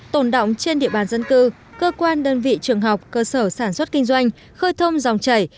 tồn động trên địa bàn dân cư cơ quan đơn vị trường học cơ sở sản xuất kinh doanh khơi thông dòng chảy